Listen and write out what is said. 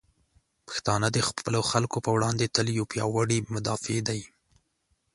پښتانه د خپلو خلکو په وړاندې تل یو پیاوړي مدافع دی.